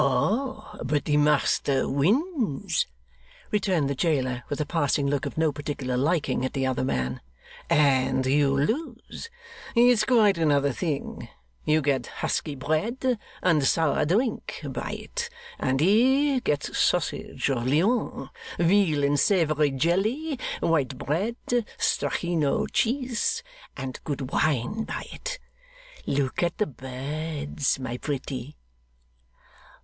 'Oh! but the master wins,' returned the jailer, with a passing look of no particular liking at the other man, 'and you lose. It's quite another thing. You get husky bread and sour drink by it; and he gets sausage of Lyons, veal in savoury jelly, white bread, strachino cheese, and good wine by it. Look at the birds, my pretty!